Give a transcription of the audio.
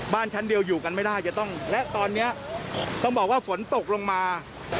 บ้านชั้นเดียวอยู่กันไม่ได้จะต้องและตอนนี้ต้องบอกว่าฝนตกลงมา